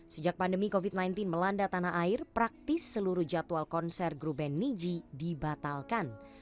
sejak pandemi covid sembilan belas melanda tanah air praktis seluruh jadwal konser grup band niji dibatalkan